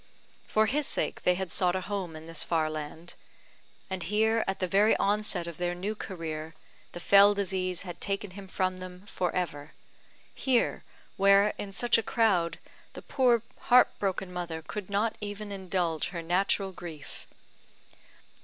For his sake they had sought a home in this far land; and here, at the very onset of their new career, the fell disease had taken him from them for ever here, where, in such a crowd, the poor heart broken mother could not even indulge her natural grief!